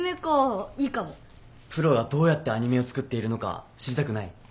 プロがどうやってアニメを作っているのか知りたくない？